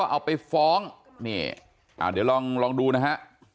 เอาไปฟ้องนี่เดี๋ยวลองดูนะฮะ